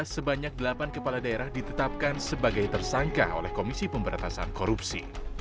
sebanyak delapan kepala daerah ditetapkan sebagai tersangka oleh komisi pemberatasan korupsi